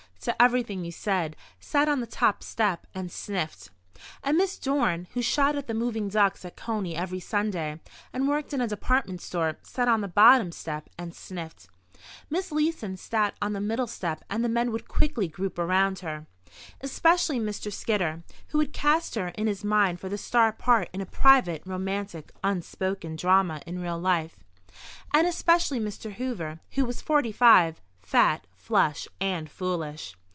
to everything you said, sat on the top step and sniffed. And Miss Dorn, who shot at the moving ducks at Coney every Sunday and worked in a department store, sat on the bottom step and sniffed. Miss Leeson sat on the middle step and the men would quickly group around her. Especially Mr. Skidder, who had cast her in his mind for the star part in a private, romantic (unspoken) drama in real life. And especially Mr. Hoover, who was forty five, fat, flush and foolish.